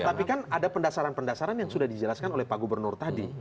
tapi kan ada pendasaran pendasaran yang sudah dijelaskan oleh pak gubernur tadi